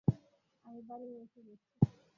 আমি বাড়ি এসে গেছি।